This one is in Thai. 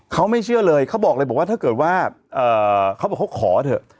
เขาไม่เชื่อเลยเขาบอกเลยบอกว่าถ้าเกิดว่าเขาบอกเขาขอเถอะ